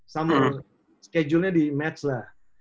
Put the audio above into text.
sama schedule nya di match lah